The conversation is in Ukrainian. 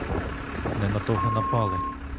Не на того напали.